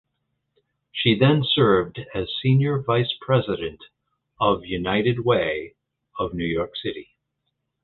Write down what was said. She then served as senior vice president of United Way of New York City.